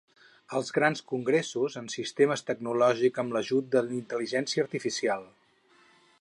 Els grans congressos, en sistemes tecnològics, amb l’ajut de la intel·ligència artificial.